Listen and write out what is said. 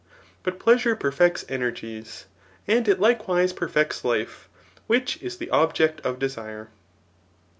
But pleasure perfects energies ; and it Iflcewise perfects Kfe, which is the object of desire.